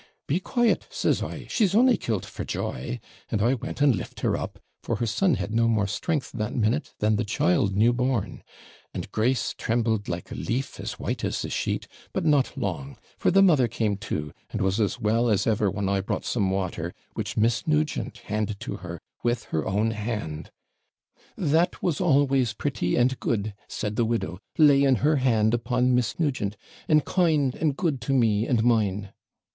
'Be qui'te,' says I, 'she's only kilt for joy;' and I went and lift her up, for her son had no more strength that minute than the child new born; and Grace trembled like a leaf, as white as the sheet, but not long, for the mother came to, and was as well as ever when I brought some water, which Miss Nugent handed to her with her own hand. 'That was always pretty and good, said the widow, laying her hand upon Miss Nugent, 'and kind and good to me and mine.'